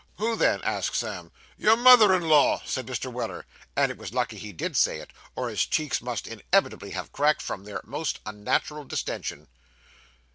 'Who then?'asked Sam. 'Your mother in law,' said Mr. Weller; and it was lucky he did say it, or his cheeks must inevitably have cracked, from their most unnatural distension.